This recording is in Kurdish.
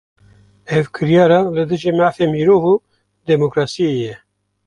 Ev kiryara, li dijî mafê mirov û demokrasiyê ye